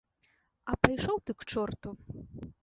А пайшоў ты к чорту!